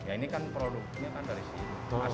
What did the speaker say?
ya ini kan produknya kan dari sini